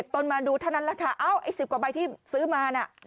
ต้นมาดูเท่านั้นแหละค่ะเอ้าไอ้๑๐กว่าใบที่ซื้อมาน่ะ